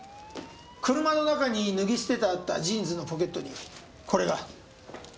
車の中に脱ぎ捨ててあったジーンズのポケットにこれが。